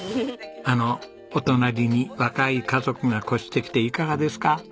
あのお隣に若い家族が越してきていかがですか？